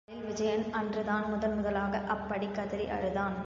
தன்னுடைய வாழ்நாளில் விஜயன் அன்று தான் முதன் முதலாக அப்படிக்கதறி அழுதான்.